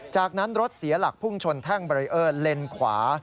จากนั้นรถเสียหลักพุ่งชนแท่งเบรีเออร์เลนขวา